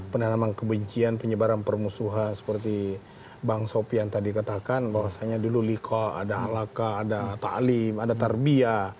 penanaman kebencian penyebaran permusuhan seperti bang sopi yang tadi katakan bahwasannya dulu lika ada alaka ada ta'lim ada tarbiah